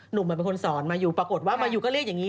หนุ่มมันเป็นคนสอนมายูปรากฏว่ามายูก็เรียกอย่างนี้